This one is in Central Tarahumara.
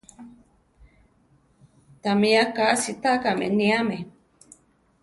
Tamí aka sitákame níame.